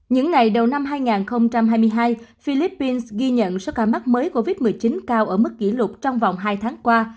những ngày đầu năm hai nghìn hai mươi hai philippines ghi nhận số ca mắc mới covid một mươi chín cao ở mức kỷ lục trong vòng hai tháng qua